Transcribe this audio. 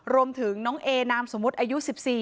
รวมถึงน้องเอนามสมมุติอายุ๑๔